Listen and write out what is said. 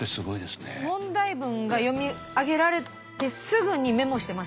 問題文が読み上げられてすぐにメモしてましたから。